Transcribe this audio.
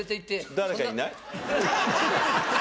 誰かいない？